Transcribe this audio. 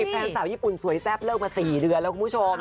แฟนสาวญี่ปุ่นสวยแซ่บเลิกมา๔เดือนแล้วคุณผู้ชม